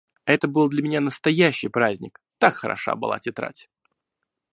Это был для меня настоящий праздник, так хороша была тетрадь!